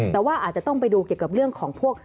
แต่ว่าอาจจะต้องไปดูเกี่ยวกับเรื่องของพวก